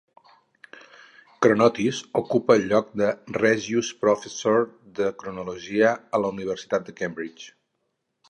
Chronotis ocupa el lloc de Regius Professor de Cronologia a la universitat de Cambridge.